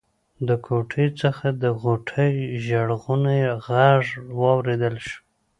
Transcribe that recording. له کوټې څخه د غوټۍ ژړغونی غږ واورېدل شو.